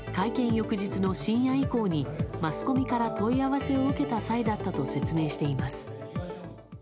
翌日の深夜以降にマスコミから問い合わせを受けた際だったと説明しています。